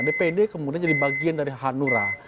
dpd kemudian jadi bagian dari hanura